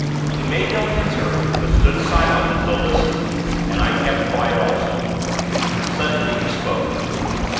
He made no answer; but stood silent, as though listening, and I kept quiet also. Suddenly, he spoke.